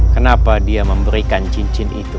kenapa dia memberikan cincin itu